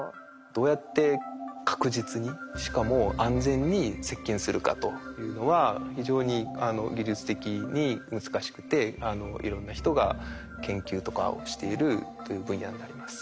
どうやって確実にしかも安全に接近するかというのは非常に技術的に難しくていろんな人が研究とかをしているという分野になります。